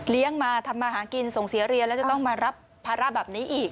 มาทำมาหากินส่งเสียเรียนแล้วจะต้องมารับภาระแบบนี้อีก